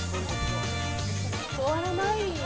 終わらない！